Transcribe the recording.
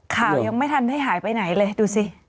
ยังไม่ทันได้หายไปไหนเลยดูสิ